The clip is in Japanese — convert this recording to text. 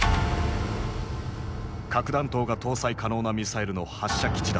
核弾頭が搭載可能なミサイルの発射基地だった。